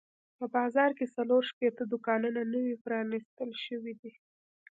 په بازار کې څلور شپېته دوکانونه نوي پرانیستل شوي دي.